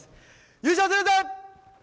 優勝するぞ！